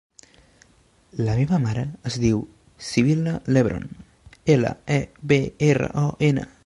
La meva mare es diu Sibil·la Lebron: ela, e, be, erra, o, ena.